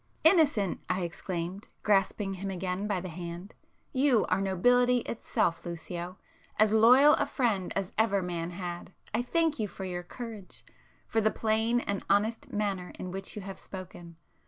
"Innocent!" I exclaimed, grasping him again by the hand; "You are nobility itself, Lucio!—as loyal a friend as ever man had! I thank you for your courage,—for the plain and honest manner in which you have spoken.